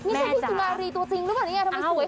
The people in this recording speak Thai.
ไม่ใช่ศุนนาฬีตัวทิ้งหรือบ่ะ